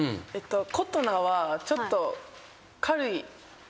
琴奈はちょっと。